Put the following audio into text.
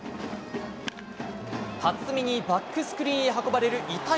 辰己にバックスクリーンへ運ばれる痛い